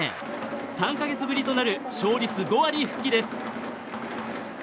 ３か月ぶりとなる勝率５割復帰です。